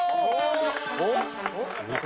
おっ？